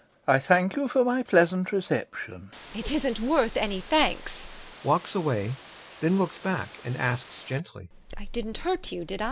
I thank you for my pleasant reception. VARYA. It isn't worth any thanks. [Walks away, then looks back and asks gently] I didn't hurt you, did I?